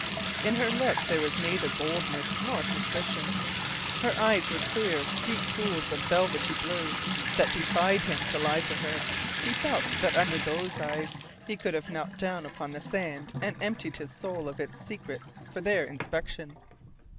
In her look there was neither boldness nor suspicion. Her eyes were clear, deep pools of velvety blue that defied him to lie to her, He felt that under those eyes he could have knelt down upon the sand and emptied his soul of its secrets for their inspection.